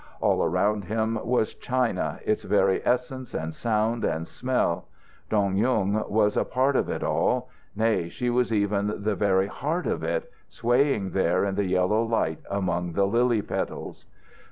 All around him was China, its very essence and sound and smell. Dong Yung was a part of it all; nay, she was even the very heart of it, swaying there in the yellow light among the lily petals.